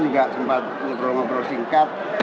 tidak sempat berobrol obrol singkat